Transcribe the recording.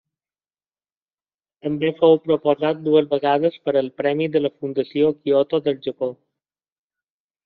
També fou proposat dues vegades per al Premi de la fundació Kyoto del Japó.